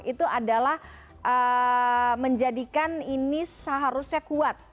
itu adalah menjadikan ini seharusnya kuat